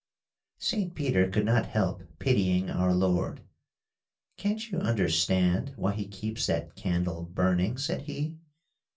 "Saint Peter could not help pitying our Lord. 'Can't you understand why he keeps that candle burning?' said he.